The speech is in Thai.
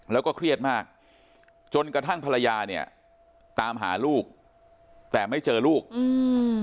แล้วก็เครียดมากจนกระทั่งภรรยาเนี่ยตามหาลูกแต่ไม่เจอลูกอืม